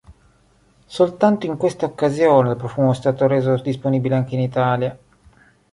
Soltanto in questa occasione il profumo è stato reso disponibile anche in Italia.